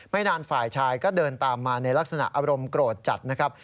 นานฝ่ายชายก็เดินตามมาในลักษณะอารมณ์โกรธจัดนะครับ